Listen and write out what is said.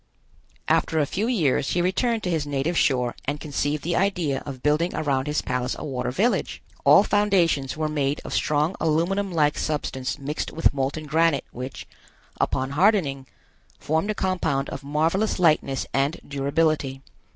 After a few years he returned to his native shore and conceived the idea of building around his palace a water village. All foundations were made of strong aluminum like substance mixed with molten granite which, upon hardening, formed a compound of marvelous lightness and durability.